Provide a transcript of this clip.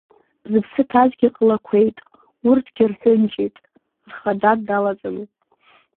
Зыԥсы ҭазгьы ҟалақәеит, урҭгьы рҳәынҷеит рхада дналаҵаны.